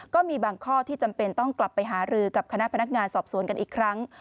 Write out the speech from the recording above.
ก็มีบางข้อที่จำเป็นต้องกลับไปหารือกับคณะพนักงานสอบสวนกันอีกครั้ง